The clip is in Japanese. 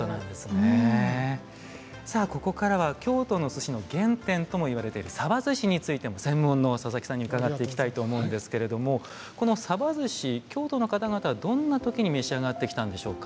さあここからは京都の寿司の原点ともいわれているさばずしについても専門の佐々木さんに伺っていきたいと思うんですけれどもこのさばずし京都の方々はどんな時に召し上がってきたんでしょうか？